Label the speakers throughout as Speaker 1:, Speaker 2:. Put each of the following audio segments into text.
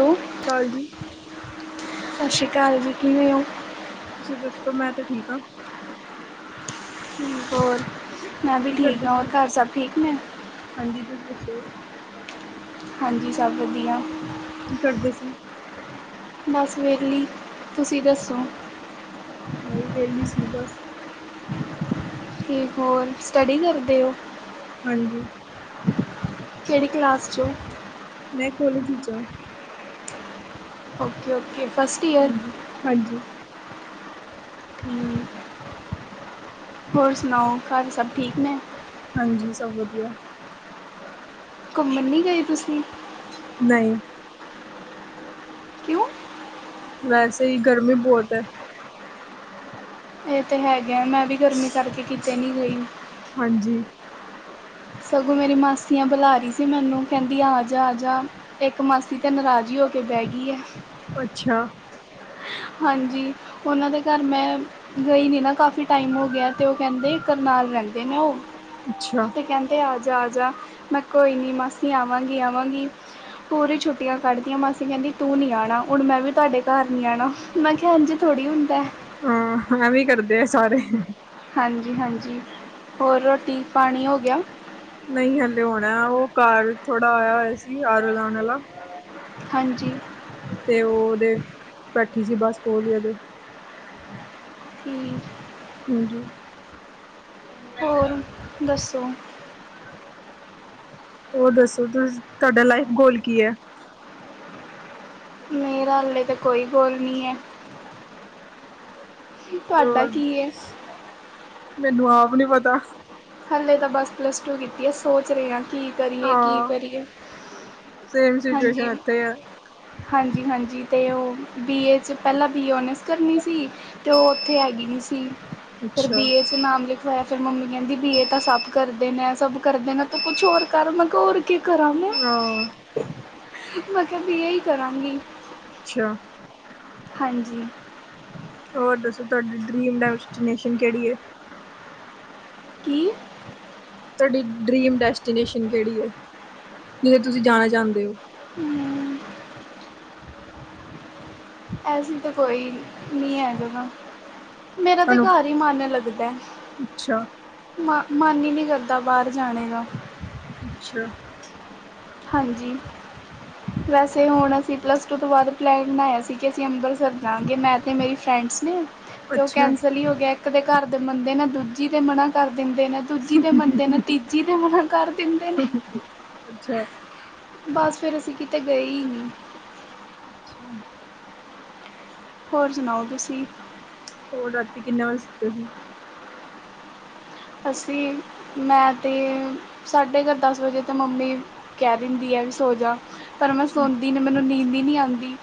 Speaker 1: Hello
Speaker 2: ਕਾਲ ਜੀ
Speaker 1: ਸਤਿ ਸ਼੍ਰੀ ਅਕਾਲ ਜੀ ਕਿਵੇਂ ਔ
Speaker 2: ਤੁਸੀਂ ਦੱਸੋ ਮੈਂ ਤੇ ਠੀਕ ਆਂ
Speaker 1: ਠੀਕ ਹੋਰ ਮੈਂ ਵੀ
Speaker 2: ਕੀ
Speaker 1: ਠੀਕ
Speaker 2: ਕਰਦੇ
Speaker 1: ਆ ਹੋਰ
Speaker 2: ਸੀ
Speaker 1: ਘਰ ਸਭ ਠੀਕ ਨੇ
Speaker 2: ਹਾਂਜੀ ਤੁਸੀਂ ਦੱਸੋ
Speaker 1: ਹਾਂਜੀ ਸਭ ਵਧੀਆ
Speaker 2: ਕੀ ਕਰਦੇ ਸੀ
Speaker 1: ਬਸ ਵੇਹਲੀ ਤੁਸੀਂ ਦੱਸੋ
Speaker 2: ਮੈਂ ਵੀ ਵੇਹਲੀ ਸੀ ਬਸ
Speaker 1: ਕੇ ਹੋਰ ਸਟੱਡੀ ਕਰਦੇ ਹੋ
Speaker 2: ਹਾਂਜੀ।
Speaker 1: ਕਿਹੜੀ ਕਲਾਸ ਚੋਂ?
Speaker 2: ਮੈਂ ਕੋਲਜ ਵਿਚ ਆ।
Speaker 1: Okay -okay first year.
Speaker 2: ਹਾਂਜੀ ਹਾਂਜੀ।
Speaker 1: ਹੋਰ ਸੁਣਾਓ ਘਰ ਸਭ ਠੀਕ ਨੇ?
Speaker 2: ਹਾਂਜੀ ਸਭ ਵਧੀਆ।
Speaker 1: ਘੁੰਮਣ ਨੀ ਗਏ ਤੁਸੀਂ?
Speaker 2: ਨਹੀਂ।
Speaker 1: ਕਿਉਂ?
Speaker 2: ਵੈਸੇ ਹੀ ਗਰਮੀ ਬਹੁਤ ਹੈ।
Speaker 1: ਇਹ ਤੇ ਹੈਗੇ ਆ ਮੈਂ ਵੀ ਗਰਮੀ ਕਰਕੇ ਕਿਤੇ ਨੀ ਗਈ।
Speaker 2: ਹਾਂਜੀ।
Speaker 1: ਸਗੋਂ ਮੇਰੀ ਮਾਸੀਆਂ ਬੁਲਾ ਰਹੀ ਸੀ ਮੈਨੂੰ ਕਹਿੰਦੀ ਆ ਜਾ ਆ। ਇੱਕ ਮਾਸੀ ਤੇ ਨਾਰਾਜ਼ ਹੀ ਹੋ ਕੇ ਬਹਿ ਗਈ ਹੈ?
Speaker 2: ਅੱਛਾ।
Speaker 1: ਹਾਂਜੀ ਉਹਨਾਂ ਦੇ ਘਰ ਮੈਂ? ਗਈ ਨੀ ਨਾ ਕਾਫੀ ਟਾਈਮ ਹੋ ਗਿਆ ਤੇ ਉਹ ਕਹਿੰਦੇ ਕਰਨਾਲ ਰਹਿੰਦੇ ਨੇ ਉ।
Speaker 2: ਅੱਛਾ।
Speaker 1: ਤੇ ਕਹਿੰਦੇ ਆ ਜਾ ਆ ਜਾ ਮੈਂ ਕੋਈ ਨਹੀਂ ਮਾਸੀ ਆਵਾਂਗੀ ਆਵਾਂਗੀ। ਪੂਰੀ ਛੁੱਟੀਆਂ ਕੱਢਦੀਆਂ ਮਾਸੀ ਕਹਿੰਦੀ ਤੂੰ ਨੀ ਆਉਣਾ ਹੁਣ ਮੈਂ ਵੀ ਤੁਹਾਡੇ ਘਰ। ਮੈਂ ਕਿਹਾਿਆ ਇਜ ਥੋੜ੍ਹੀ ਹੁੰਦਾ ਹੈ।
Speaker 2: ਹਾਂ ਵੀ ਕਰਦੇ ਆ ਸਾਰੇ।
Speaker 1: ਹਾਂਜੀ -ਹਾਂਜੀ ਹੋਰ ਰੋਟੀ ਪਾਣੀ ਹੋ ਗਿਆ।
Speaker 2: ਨਹੀਂ ਹਲੇ ਹੋਣਾ ਓਰ ਘਰ ਥੋੜਾ ਆਇਆ ਹੋਇਆ ਸੀ ਆਰ ਲਾਉਣ ਵਾਲਾ।
Speaker 1: ਹਾਂਜੀ।
Speaker 2: ਤੇ ਉਹ ਉਹਦੇ ਬੈਠੀ ਸੀ ਬਸ ਉਹ ਵੀ ਉਹਦੇ।
Speaker 1: ਠੀ
Speaker 2: ਹਾਂਜੀ।
Speaker 1: ਹੋਰ ਦੱਸੋ।
Speaker 2: ਓ ਹਰ ਦੱਸੋ ਤੁ ਤੁਹਾਡਾ ਲਾਈਫ ਗੋਲ ਕੀ ਹ
Speaker 1: ਮੇਰਾ ਹਾਲੇ ਤਾਂ ਕੋਈ ਗੋਲ ਨੀ ਹੈ। ਤੁਹਾਡਾ ਕੀਂ ਯੇ।
Speaker 2: ਮੈਨੂੰ ਆਪ ਨੀ ਪ?
Speaker 1: ਹਾਲੇ ਤਾਂ ਬਸ ਪਲੱਸ ਟੂ ਕੀਤੀ ਹੈ ਸੋਚ ਰਹੇ ਹਨ। ਕੀ ਕਰੀਏ ਕੀ
Speaker 2: ਹਾਂ
Speaker 1: ਕਰੀਏ
Speaker 2: ਸੇਮ
Speaker 1: ਹਾਂ।
Speaker 2: ਸਿਚੁਏਸ਼ਨ ਇੱਥੇ ਹੈ।
Speaker 1: ਹਾਂਜੀ -ਹਾਂਜੀ ਅਤੇ ਉਹ ਬੀ ਏ 'ਚ ਪਹਿਲਾਂ ਬੀ ਏ ਔਨਰਸ ਕਰਨੀ ਸ। ਤੇ ਉਹ ਉੱਥੇ ਹੈਗੀ ਨਹੀਂ ਸੀ ਫਿਰ
Speaker 2: ਅੱਛਾ
Speaker 1: ਬੀ ਏ ਚ ਨਾਮ ਲਿਖਵਾਇਆ ਫਿਰ ਮੰਮੀ ਕਹਿੰਦੀ। ਵੀ ਇਹ ਤਾਂ ਸਭ ਕਰਦੇ ਨੇ ਸਭ ਕਰਦੇ ਨੇ ਤੇ ਕੁਛ ਹੋਰ ਕਰ ਮੈਂ ਕਿਹਾ ਹੋਰ ਕਿ ਕਰਾਂ ਮੈਂ?
Speaker 2: ਹਾਂ
Speaker 1: ਮੈਂ ਕਿਹਾ ਬੀ ਏ ਹੀ ਕਰਾਂਗੀ।
Speaker 2: ਅੱਛਾ।
Speaker 1: ਹਾਂਜੀ।
Speaker 2: ਹੋਰ ਦੱਸੋ ਤੁਹਾਡੀ ਡਰੀਮ ਡੈਸਟੀਨੇਸ਼ਨ ਕਿਹੜੀ ਹੈ।
Speaker 1: ਕੀ।
Speaker 2: ਤੁਹਾਡੀ ਡਰੀਮ ਡੈਸਟੀਨੇਸ਼ਨ ਕਿਹੜੀ ਹੈ ਜਿੱਥੇ ਤੁਸੀਂ ਜਾਣਾ ਚਾਹੁੰਦੇ ਹੋ।
Speaker 1: ਹਮ। ਐਸੀ ਤਾਂ ਕੋਈ, ਨੀ ਐ ਜਗਾ। ਮੇਰਾ ਤਾਂ
Speaker 2: ਤੁਹਾਨੂੰ
Speaker 1: ਘਰ ਹੀ ਮਨ ਲੱਗਦੈ।
Speaker 2: ਅੱਛਾ
Speaker 1: ਮ ਮਨ ਹੀ ਨੀ ਕਰਦਾ ਬਾਹਰ ਜਾਣੇ ਦਾ।
Speaker 2: ਅੱਛਾ।
Speaker 1: ਹਾਂਜੀ ਵੈਸੇ ਹੁਣ ਅਸੀਂ ਪਲੱਸ ਟੂ ਤੋਂ ਬਾਅਦ ਪਲੈਨ ਬਣਾਇਆ ਸੀ ਕਿ ਅਸੀਂ ਅੰਬਰਸਰ ਜਾਵਾਂਗੇ ਮੈਂ ਤਾਂ ਮੇਰੀ ਫਰੈਂਡਸ ਨੇ। ਤੇ ਉਹ
Speaker 2: ਅੱਛਾ
Speaker 1: ਕੈਂਸਲ ਹੀ ਹੋ ਗਿਆ ਇੱਕ ਦੇ ਘਰ ਦੇ ਮੰਨਦੇ ਨੇ ਦੂਜੀ ਤੇ ਮਨਾ ਕਰ ਦਿੰਦੇ ਨੇ। ਦੂਜੀ ਦੇ ਮੰਨਦੇ ਨੇ ਤੀਜੀ ਦੇ ਮਨਾ ਕਰ ਦਿੰਦੇ ਨੇ।
Speaker 2: ਅੱਛਾ
Speaker 1: ਬਸ ਫੇਰ ਅਸੀਂ ਕਿਤੇ ਗਏ ਈ ਨੀ।
Speaker 2: ਅੱਛਾ
Speaker 1: ਹੋਰ ਸੁਣਾਓ ਤੁਸੀਂ।
Speaker 2: ਹੋਰ ਰਾਤੀ ਕਿੰਨੇ ਵਜੇ ਸੁੱਤੇ ਸੀ?
Speaker 1: ਅਸੀਂ, ਮੈਂ ਤੇ ਸਾਡੇ ਘਰ ਦਸ ਵਜੇ ਤੇ ਮੰਮੀ ਕਹਿ ਦਿੰਦੀ ਐ ਵੀ ਸੋ ਜਾ। ਪਰ ਮੈਂ
Speaker 2: ਅੱਛਾ,
Speaker 1: ਸੌਦੀ ਨੀ ਮੈਨੂੰ ਨੀਂਦ ਹੀ ਨੀ ਆਂਦੀ,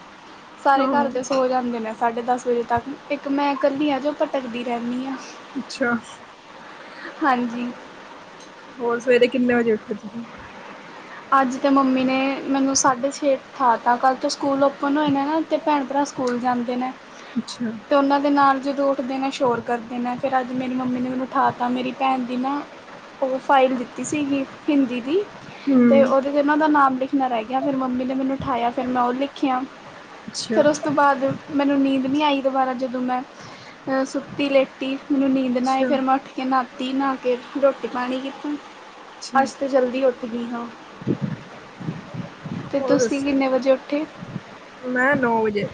Speaker 1: ਸਾਰੇ ਘਰ
Speaker 2: ਹਾਂ
Speaker 1: ਦੇ ਸੋ ਜਾਂਦੇ ਨੇ ਸਾਢੇ ਦਸ ਵਜੇ ਤੱਕ, ਇੱਕ ਮੈਂ ਕੱਲੀ ਆ ਜੋ ਭਟਕਦੀ ਰਹਿੰਨੀ ਆ।
Speaker 2: ਅੱਛਾ।
Speaker 1: ਹਾਂਜੀ।
Speaker 2: ਹੋਰ ਸਵੇਰੇ ਕਿੰਨੇ ਵਜੇ ਉੱਠੇ ਤੁਸੀਂ?
Speaker 1: ਅੱਜ ਤੇ ਮੰਮੀ ਨੇ ਮੈਨੂੰ ਸਾਢੇ ਛੇ ਉਠਾ ਤਾ ਕੱਲ੍ਹ ਤੋਂ ਸਕੂਲ ਓਪਨ ਹੋਏ ਨੇ ਨਾ ਤੇ ਭੈਣ-ਭਰਾ ਸਕੂਲ ਜਾਂਦੇ ਨੇ।
Speaker 2: ਅੱਛਾ
Speaker 1: ਤੇ ਉਹਨਾਂ ਦੇ ਨਾਲ ਜਦੋਂ ਉੱਠਦੇ ਨੇ ਸ਼ੋਰ ਕਰਦੇ ਨੇ ਫਿਰ ਅੱਜ ਮੇਰੀ ਮੰਮੀ ਨੇ ਮੈਨੂੰ ਉਠਾ ਤਾ ਮੇਰੀ ਭੈਣ ਦੀ ਨਾ ਉਹ ਫਾਈਲ ਦਿੱਤੀ ਸੀਗੀ ਹਿੰਦੀ ਦੀ। ਤੇ
Speaker 2: ਹਮ
Speaker 1: ਉਹਦੇ ਤੇ ਨਾ ਉਹਦਾ ਨਾਮ ਲਿਖਣਾ ਰਹਿ ਗਿਆ ਫਿਰ ਮੰਮੀ ਨੇ ਮੈਨੂੰ ਠਾਇਆ ਫਿਰ ਮੈਂ ਉਹ ਲਿਖਿਆ।
Speaker 2: ਅੱਛਾ
Speaker 1: ਫਿਰ ਉਸ ਤੋਂ ਬਾਅਦ ਮੈਨੂੰ ਨੀਂਦ ਨੀ ਆਈ ਦੁਬਾਰਾ ਜਦੋਂ ਮੈਂ, ਅਹ ਸੁੱਤੀ ਲੇ ਲੇਟੀ ਮੈਨੂੰ ਨੀਂਦ ਨਾ ਆਏ
Speaker 2: ਅੱਛਾ
Speaker 1: ਫੇਰ ਮੈਂ ਉੱਠ ਕੇ ਨਾਤੀ ਨਾ ਕੇ ਰੋਟੀ ਪਾਣੀ ਕੀਤਾ,
Speaker 2: ਅੱਛਾ
Speaker 1: ਅੱਜ ਤੇ ਜਲਦੀ ਉੱਠ ਗਈ ਹਾਂ। ਤੇ
Speaker 2: ਹੋਰ
Speaker 1: ਤੁਸੀਂ
Speaker 2: ਦੱਸੋ
Speaker 1: ਕਿੰਨੇ ਵਜੇ ਉੱਠੇ?
Speaker 2: ਮੈਂ ਨੌ ਵਜੇ।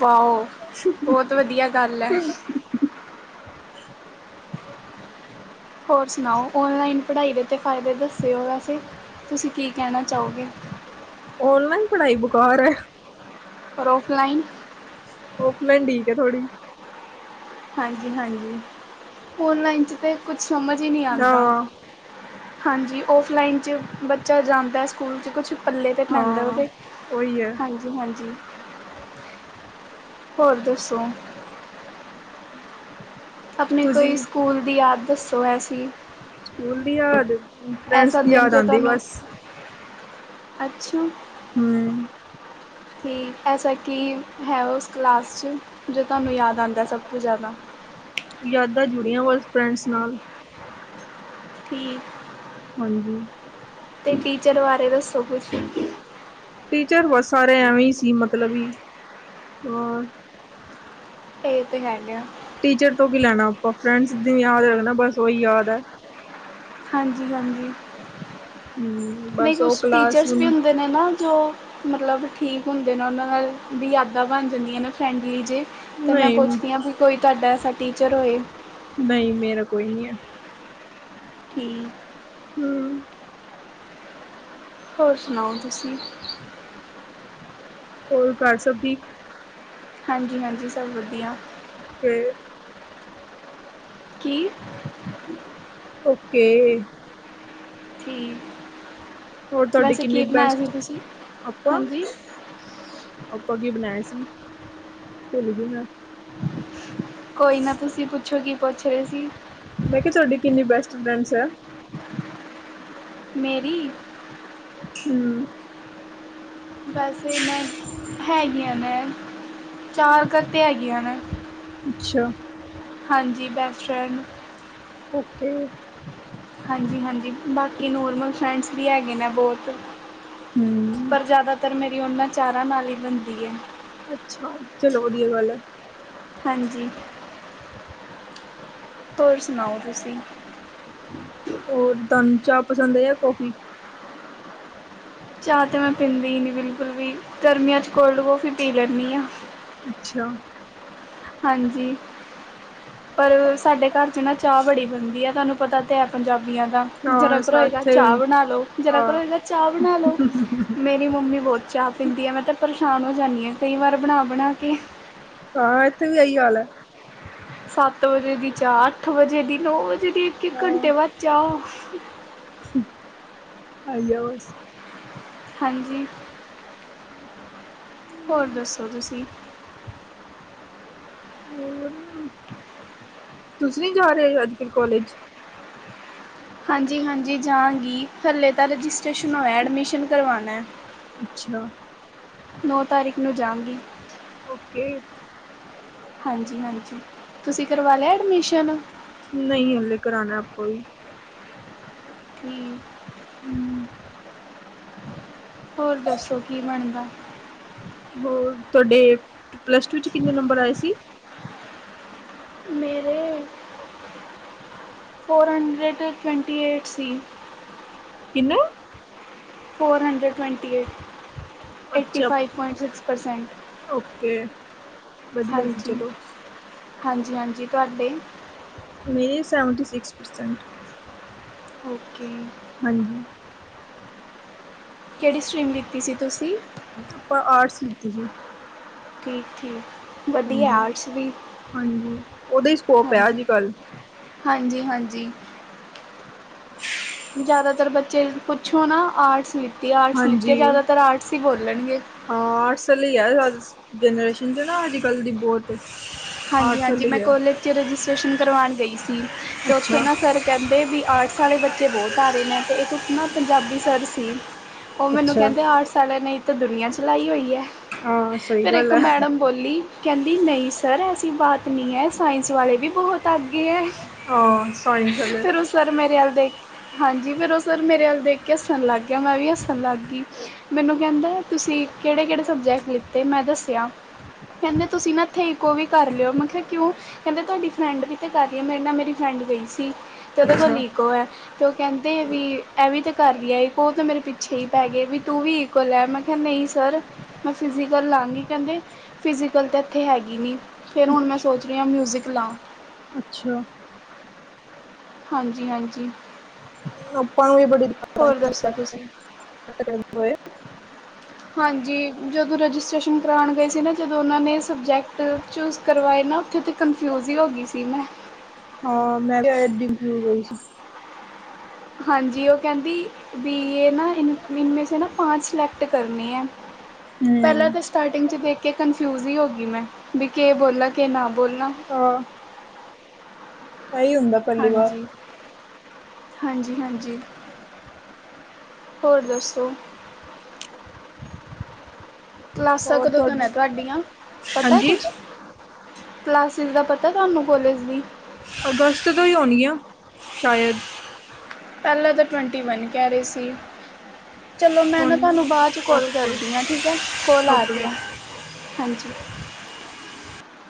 Speaker 1: ਵਾਓ, ਬਹੁਤ ਵਧੀਆ ਗੱਲ ਐ। [inaudible] ਹੋਰ ਸੁਣਾਓ ਔਨਲਾਈਨ ਪੜ੍ਹਾਈ ਦੇ ਤਾਂ ਫਾਇਦੇ ਦੱਸਿਓ ਵੈਸੇ, ਤੁਸੀਂ ਕੀ ਕਹਿਣਾ ਚਾਹੋਗੇ।
Speaker 2: ਔਨਲਾਈਨ ਪੜ੍ਹਾਈ ਬਕਾਰ ਐ।
Speaker 1: ਔਰ ਔਫਲਾਈਨ?
Speaker 2: ਔਫਲਾਈਨ ਠੀਕ ਏ ਥੋੜ੍ਹੀ।
Speaker 1: ਹਾਂਜੀ-ਹਾਂਜੀ ਔਨਲਾਈਨ 'ਚ ਤਾਂ ਕੁਛ ਸਮਝ ਹੀ ਨਹੀਂ ਆਂਦਾ।
Speaker 2: ਹਾਂ
Speaker 1: ਹਾਂਜੀ ਔਫਲਾਈਨ 'ਚ ਬੱਚਾ ਜਾਂਦਾ ਸਕੂਲ 'ਚ ਕੁਛ ਪੱਲੇ ਤੇ ਪੈਂਦਾ
Speaker 2: ਹਾਂ
Speaker 1: ਉਹਦੇ।
Speaker 2: ਉਹੀ ਐ।
Speaker 1: ਹਾਂਜੀ-ਹਾਂਜੀ, ਹੋਰ ਦੱਸੋ। ਆਪਣੇ ਕੋਈ
Speaker 2: ਤੁਸੀਂ
Speaker 1: ਸਕੂਲ ਦੀ ਯਾਦ ਦੱਸੋ ਐਸੀ?
Speaker 2: ਸਕੂਲ ਦੀ ਯਾਦ, ਫਰੈਂਡਸ
Speaker 1: ਐਸਾ
Speaker 2: ਦੀ
Speaker 1: ਦਿਨ
Speaker 2: ਯਾਦ
Speaker 1: ਜੋ
Speaker 2: ਆਂਦੀ
Speaker 1: ਤੁਹਾਨੂੰ
Speaker 2: ਬਸ।
Speaker 1: ਅੱਛਾ।
Speaker 2: ਹੂੰ
Speaker 1: ਠੀਕ ਐਸਾ ਕੀ ਹੈ, ਉਸ ਕਲਾਸ ਚ ਜੋ ਤੁਹਾਨੂੰ ਯਾਦ ਆਉਂਦਾ, ਸਭ ਤੋਂ ਜ਼ਿਆਦਾ
Speaker 2: ਯਾਦਾਂ ਜੁੜੀਆਂ, ਬਸ। ਫਰੈਂਡਸ ਨਾਲ
Speaker 1: ਠੀਕ,
Speaker 2: ਹਾਂਜੀ
Speaker 1: ਤੇ ਟੀਚਰ ਬਾਰੇ ਦੱਸੋ ਕੁਛ
Speaker 2: ਟੀਚਰ ਬਸ ਸਾਰੇ ਐਵੇਂ ਈ ਸੀ, ਮਤਲਬੀ। ਹੋਰ
Speaker 1: ਇਹ ਤੇ ਹੈਗਾ ਆ
Speaker 2: ਟੀਚਰ ਤੋਂ ਕੀ ਲੈਣਾ ਆਪਾਂ, ਫਰੈਂਡਸ ਦੀ ਵੀ ਯਾਦ ਰੱਖਣਾ, ਬਸ ਉਹਹੀ ਯਾਦ ਐ।
Speaker 1: ਹਾਂਜੀ -ਹਾਂਜੀ
Speaker 2: ਹਮ
Speaker 1: ਨਹੀਂ
Speaker 2: ਬਸ ਉਹ
Speaker 1: ਕੁਛ
Speaker 2: ਕਲਾਸ
Speaker 1: ਟੀਚਰਸ ਵੀ
Speaker 2: ਹੁਣ
Speaker 1: ਹੁੰਦੇ ਨੇ ਨਾ ਜੋ ਮਤਲਬ ਠੀਕ ਹੁੰਦੇ ਨੇ ਉਹਨਾਂ ਨਾਲ ਦੀ ਯਾਦਾ ਬਣ ਜਾਂਦੀਆ ਨੇ ਫਰੈਂਡਲੀ ਜੇ ਤੇ ਮੈਂ
Speaker 2: ਨਹੀਂ
Speaker 1: ਪੁੱਛਦੀ ਹਾਂ, ਵੀ ਕੋਈ ਤੁਹਾਡਾ ਐਸਾ ਟੀਚਰ ਹੋਏ
Speaker 2: ਨਹੀਂ, ਮੇਰਾ ਕੋਈ ਨਹੀਂ ਹੈ।
Speaker 1: ਠੀਕ
Speaker 2: ਹੂ
Speaker 1: ਹੋਰ ਸੁਣਾਓ ਤੁਸੀਂ
Speaker 2: ਹੋਰ ਕਾਰ ਸਭ ਠੀਕ?
Speaker 1: ਹਾਂਜੀ -ਹਾਂਜੀ ਸਭ ਵਧੀਆ
Speaker 2: ਤੇ
Speaker 1: ਕੀ
Speaker 2: ਓਕੇ
Speaker 1: ਠੀ
Speaker 2: ਹੋਰ ਤੁਹਾਡੀ ਕਿੰਨੀ ਬੈਸਟ, ਆਪਾਂ
Speaker 1: ਹਾਂਜੀ
Speaker 2: ਆਪਾਂ ਕੀ ਬਣਾਆ ਸੀ, ਭੁੱਲ ਗੀ ਮੈਂ।
Speaker 1: ਕੋਈ ਨਾ, ਤੁਸੀਂ ਪੁੱਛੋ ਕੀ ਪੁੱਛ ਰਹੇ ਸੀ।
Speaker 2: ਮੈਂ ਕਿਹਾ, ਤੁਹਾਡੀ ਕਿੰਨੀ ਬੈਸਟ ਫਰੈਂਡਸ ਹੈ।
Speaker 1: ਮੇਰੀ
Speaker 2: ਹੂ
Speaker 1: ਵੈਸੇ ਮੈਂ ਹੈਗੀ ਆਂ ਮੈਂ, ਚਾਰ ਘਟੇ ਹੈਗੀ ਆਂ ਮੈਂ
Speaker 2: ਅੱਛਾ
Speaker 1: ਹਾਂਜੀ ਬੈਸਟ ਫ੍ਰੈਂਡ
Speaker 2: ਓਕੇਂ
Speaker 1: ਹਾਂਜੀ ਹਾਂਜੀ ਬਾਂਕੀ ਨੋਰਮਲ ਫਰੈਂਡਸ ਵੀ ਹੈਗੇ ਨੇ ਬਹੁਤ
Speaker 2: ਹੂੰ
Speaker 1: ਪਰ ਜ਼ਿਆਦਾਤਰ ਮੇਰੀ ਉਨਾਂ ਚਾਰਾਂ ਨਾਲ਼ ਹੀਂ ਬਣਦੀ ਹੈ
Speaker 2: ਅੱਛਾ ਚਲੋਂ ਵਧੀਆਂ ਗੱਲ ਹੈਂ
Speaker 1: ਹਾਂਜੀ ਹੋਰ ਸੁਣਾਓ ਤੁਸੀਂ
Speaker 2: [inaudible] ਹੋਰ ਤੁਹਾਨੂੰ ਚਾਹ ਪਸੰਦ ਹੈ ਯਾ ਕੌਫ਼ੀ
Speaker 1: ਚਾਹ ਤੇ ਮੈਂ ਪੀਂਦੀ ਹੀ ਨੀ ਬਿਲਕੁੱਲ ਵੀ, ਗਰਮੀਆਂ ਚ ਕੋਲਡ ਕੋਫ਼ੀ ਪੀ ਲੈਂਨੀ ਆਂ
Speaker 2: ਅੱਛਾ।
Speaker 1: ਹਾਂਜੀ ਪਰ ਸਾਡੇ ਕਾਰ ਚ ਨਾ ਚਾ ਬੜੀ ਬਣਦੀ ਐ ਤਾਨੂ ਪਤਾ ਤੇ ਹੈ ਪੰਜਾਬੀਆਂ ਦਾ ਜ਼ਰਾ
Speaker 2: ਹਾਂ
Speaker 1: ਕੁ ਹੋਏਗਾ
Speaker 2: ਸਾਥੇ
Speaker 1: ਚਾਹ
Speaker 2: ਵੀ
Speaker 1: ਬਣਾਂ ਲਉ, ਜ਼ਰਾ
Speaker 2: ਹਾਂ
Speaker 1: ਕੁ ਹੋਏਗਾ ਚਾਹ ਬਣਾਂ ਲਉ ਮੇਰੀ ਮੰਮੀ ਬਹੁਤ ਚਾਹ ਪੀਂਦੀ ਹੈ, ਮੈਂ ਤਾਂ ਪਰੇਸ਼ਾਨ ਹੋ ਜਾਂਦੀ ਹਾਂ, ਕਈ ਵਾਰ ਬਣਾਂ -ਬਣਾਂ ਕੇ।
Speaker 2: ਹਾਂ ਇੱਥੇ ਵੀ ਆਹੀਂ ਹਾਲ ਹੈ।
Speaker 1: ਸੱਤ ਵਜੇ ਦੀ ਚਾਹ, ਅੱਠ ਵਜ਼ੇ ਦੀ, ਨੌ ਵਜ਼ੇ ਦੀ, ਇੱਕ- ਇੱਕ ਘੰਟੇ ਬਾਅਦ ਚਾਹ।
Speaker 2: ਖਾਈ ਜਾਓ।
Speaker 1: ਹਾਂਜੀ। ਹੋਰ ਦੱਸੋਂ ਤੁਸੀਂ?
Speaker 2: ਹੋਰ ਤੁਸੀਂ ਨੀ ਜਾਂ ਰਹੇਂ ਅੱਜ-ਕੱਲ੍ਹ ਕੋਲਜ਼?
Speaker 1: ਹਾਂਜੀ-ਹਾਂਜੀ, ਜਾਂਗੀ ਹਾਲੇ ਤਾਂ ਰਜਿਸਟ੍ਰੇਸ਼ਨ ਹੋਇਆਂ, ਐਡਮਿਸ਼ਨ ਕਰਵਾਉਣਾਂ।
Speaker 2: ਅੱਛਾ।
Speaker 1: ਨੌ ਤਾਰੀਕ ਨੂੰ ਜਾਊਂਗੀ।
Speaker 2: ਓਕੇਂ।
Speaker 1: ਹਾਂਜੀ-ਹਾਂਜੀ, ਤੁਸੀਂ ਕਰਵਾ ਲਿਆ ਏਡਮਿਸ਼ਨ?
Speaker 2: ਨਹੀਂ ਹੱਲੇ, ਕਰਾਉਣਾਂ ਆਪਾਂ ਵੀ।
Speaker 1: ਠੀਕ।
Speaker 2: ਹੂੰ।
Speaker 1: ਹੋਰ ਦੱਸੋਂ, ਕੀ ਬਣਦਾਂ?
Speaker 2: ਹੋਰ, ਤੁਹਾਡੇ ਪਲੱਸ ਟੂ 'ਚ ਕਿੰਨੇ ਨੰਬਰ ਆਏਂ ਸੀ।
Speaker 1: ਮੇਰੇਂ ਫੋਰ ਹੰਡਰੇਟ, ਟਵੈਂਟੀ ਏਟ ਸੀ।
Speaker 2: ਕਿੰਨਾਂ?
Speaker 1: Four hundred, twenty eight. Eighty
Speaker 2: ਅੱਛਾ
Speaker 1: ਫ਼ਾਈਵ ਪੁਆਇੰਟ, ਸਿਕਸ ਪਰਸੈਂਟ।
Speaker 2: ਵਧੀਆਂ ਸੀ ਚਲੋਂ।
Speaker 1: ਹਾਂਜੀ-ਹਾਂਜੀ ਤੁਆਡੇ?
Speaker 2: ਮੇਰੇ ਸੈਵਨਟੀ ਸਿਕਸ, ਪਰਸੈਂਟ।
Speaker 1: ਓਕੇ।
Speaker 2: ਹਾਂਜੀ।
Speaker 1: ਕਿਹੜੀ ਸਟ੍ਰੀਮ ਲਿੱਤੀ ਸੀ ਤੁਸੀਂ?
Speaker 2: ਆਪਾਂ ਆਟਸ ਲਿੱਤੀ ਸੀ।
Speaker 1: ਠੀਕ-ਠੀਕ।
Speaker 2: ਹਾਂਜੀ-ਹਾਂਜੀ, ਉਹਦਾ ਈ ਸਕੋਪ ਐ ਅੱਜ-ਕੱਲ੍ਹ।
Speaker 1: ਹਾਂਜੀ-ਹਾਂਜੀ। ਜ਼ਿਆਦਾ ਤਰ ਬੱਚੇ ਪੁੱਛੋ ਨਾ, ਆਟਸ ਲਿੱਤੀ, ਆਟਸ ਲਿੱਤੀ,
Speaker 2: ਹਾਂਜੀ
Speaker 1: ਜ਼ਿਆਦਾ ਤਰ ਆਟਸ ਈ ਬੋਲਣਗੇ।
Speaker 2: ਹਾਂ, ਆਟਸ ਲਈ ਐ, ਜਨਰੇਸ਼ਨ 'ਚ ਨਾ ਅੱਜ-ਕੱਲ੍ਹ ਦੀ ਬਹੁਤ ਆਰਟਸ
Speaker 1: ਹਾਂਜੀ-ਹਾਂਜੀ,
Speaker 2: ਵਾਲੇ
Speaker 1: ਮੈਂ
Speaker 2: ਹੀ ਆ
Speaker 1: ਕੋਲੇਜ 'ਚ ਰਜਿਸਟ੍ਰੇਸ਼ਨ ਕਰਵਾਂਣ ਗਈ ਸੀ ਤੇ ਉੱਥੇ
Speaker 2: ਅੱਛਾ
Speaker 1: ਨਾ ਸਰ ਕਹਿੰਦੇ ਵੀ ਆਰਟਸ ਆਲੇ ਬੱਚੇ ਬਹੁਤ ਆ ਰਹੇ ਨੇ ਤੇ ਇੱਕ ਨਾ ਪੰਜਾਬੀ ਸਰ ਸੀ ਉਹ ਮੈਨੂੰ
Speaker 2: ਅੱਛਾ
Speaker 1: ਕਹਿੰਦੇ ਆਟਸ ਆਲਿਆਂ ਨੇ ਤਾਂ ਦੁਨੀਆਂ ਚਲਾਈ ਹੋਈ ਐ।
Speaker 2: ਹਾਂ ਸਹੀ
Speaker 1: ਫਿਰ
Speaker 2: ਗੱਲ
Speaker 1: ਇੱਕ
Speaker 2: ਹੈ
Speaker 1: ਮੈਡਮ ਬੋਲੀ ਕਹਿੰਦੀ ਨਹੀਂ ਸਰ ਐਸੀ ਬਾਤ ਨੀ ਐ, ਸਾਇੰਸ ਵਾਲੇ ਵੀ ਬਹੁਤ ਆਗੇ ਐ।
Speaker 2: ਆ ਸਾਈ ਗੱਲ ਏ।
Speaker 1: ਸਰ ਮੇਰੇ ਵੱਲ ਦੇਖ, ਹਾਂਜੀ ਫਿਰ ਉਹ ਸਰ ਮੇਰੇ ਵੱਲ ਦੇਖ ਕੇ ਹੱਸਨ ਲੱਗ ਗਿਆ। ਮੈਂ ਵੀ ਹੱਸਨ ਲੱਗ ਗੀ। ਮੈਨੂੰ ਕਹਿੰਦਾ ਤੁਸੀਂ ਕਿਹੜੇ-ਕਿਹੜੇ ਸਬਜ਼ੈਕਟ ਲਿੱਤੇ, ਮੈਂ ਦੱਸਿਆ ਕਹਿੰਦੇ ਤੁਸੀਂ ਨਾ ਐਥੇ ਈ ਕੋ ਵੀ ਕਰ ਲਿਓ, ਮੈਂ ਕਿਹਾ ਕਿਉਂ ਕਹਿੰਦੇ ਤੁਹਾਡੀ ਫ਼ਰੈਂਡ ਵੀ ਤੇ ਕਰ ਰਹੀ ਐ। ਮੇਰੇ ਨਾਲ ਮੇਰੀ ਫ਼ਰੈਂਡ ਗਈ ਸੀ। ਤੇ ਓਹਦੇ ਕੋਲ਼
Speaker 2: ਅੱਛਾ
Speaker 1: ਲੀਕੋ ਐ। ਤੇ ਓਹ ਕਹਿੰਦੇ ਵੀ, ਐ ਵੀਂ ਤੇ ਕਰ ਰਹੀ ਐ ਇੱਕ ਓਹ ਤਾਂ ਮੇਰੇ ਪਿੱਛੇ ਹੀ ਪੈ ਗਏ। ਵੀ ਤੂੰ ਵੀ ਕੌਲ ਐ, ਮੈਂ ਕਿਹਾ ਨਹੀਂ ਸਰ ਮੈਂ ਫਿਜ਼ਕਲ ਲਾਂਗੀ, ਕਹਿੰਦੇ ਫਿਜ਼ੀਕਲ ਤਾਂ ਇੱਥੇ ਹੈਗ ਗੀ ਨੀ, ਫਿਰ ਹੁਨ ਮੈਂ ਸੋਚ ਰੀ ਆ ਮਿਊਜ਼ਿਕ ਲਾਂ।
Speaker 2: ਅੱਛਾ।
Speaker 1: ਹਾਂਜੀ-ਹਾਂਜੀ।
Speaker 2: ਆਪਾਂ ਨੂੰ ਵੀ ਬੜੀ ਆਈ
Speaker 1: ਹੋਰ ਦੱਸੋ ਤੁਸੀਂ?
Speaker 2: ਸਬਜੈਕਟ [unintelligible]
Speaker 1: ਹਾਂਜੀ ਜਦੋਂ ਰਜਿਸਟ੍ਰੇਸ਼ਨ ਕਰਾਣ ਗਏ ਸੀ ਨਾ ਜਦੋਂ ਓਹਨਾਂ ਨੇ ਸਬਜੈਕਟ ਚੂਜ਼ ਕਰਵਾਏ ਨਾ ਓਥੇ ਤ ਕਨਫਿਊਜ ਹੀ ਹੋ ਗਈ ਸੀ ਮੈਂ।
Speaker 2: ਹਾਂ ਮੈਂ [unintelligible] ਹੋਈ ਸੀ।
Speaker 1: ਹਾਂਜੀ ਓਹ ਕਹਿੰਦੀ ਬੀ ਏ ਨਾ ਇ ਇਨਮੇ ਸੇ ਨਾ ਪਾਚ ਸਲੇੈਕਟ ਕਰਨੇ ਐ। ਪਹਿਲਾਂ
Speaker 2: ਹੂੰ
Speaker 1: ਤੇ ਸਟਾਰਟਿੰਗ ਚ ਦੇਖ ਕੇ ਕਨਫਿਊਜ ਹੀ ਹੋ ਗੀ ਮੈਂ ਵੀ ਕੇ ਬੋਲਾਂ ਕੇ ਨਾ ਬੋਲਾ।
Speaker 2: ਹਾਂ। ਐਹੀ ਹੁੰਦਾ। ਪਹਿਲੀ ਵਾਰ
Speaker 1: ਹਾਂਜੀ। ਹਾਂਜੀ-ਹਾਂਜੀ ਹੋਰ ਦੱਸੋ? ਕਲਾਸਾਂ
Speaker 2: ਹੋਰ
Speaker 1: ਕਦੋਂ ਤੋ ਨ
Speaker 2: ਤੁਹਾਡੀ
Speaker 1: ਤੁਹਾਡੀਆਂ ਪਤਾ ਐ
Speaker 2: ਹਾਂਜੀ
Speaker 1: ਕੁਛ? ਕਲਾਸਿਸ ਦਾ ਪਤਾ ਏ ਤੁਹਾਨੂੰ ਕੋਲੇਜ ਦੀ?
Speaker 2: ਅਗਸਤ ਤੋਂ ਹੀ ਹੋਨੀਆ ਸ਼ਾਯਦ।
Speaker 1: ਪਹਿਲਾਂ ਤੇ ਟਵੈਂਟੀ ਵਨ ਕਹਿ ਰਹੇ ਸੀ। ਚਲੋ ਮੈਂ ਨਾ
Speaker 2: ਹੁਣ
Speaker 1: ਤੁਹਾਨੂੰ ਬਾਦ ਚ ਕੋਲ
Speaker 2: ਓਕੇ
Speaker 1: ਕਰਦੀ ਆ ਠੀਕ ਐ, ਕੋਲ ਆ ਰਹੀ
Speaker 2: ਓਕੇ
Speaker 1: ਐ। ਹਾਂਜੀ।